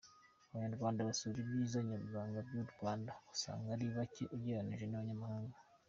Abanyarwanda basura ibyiza nyaburanga by’u Rwanda usanga ari bake ugereranyije n’abanyamahanga.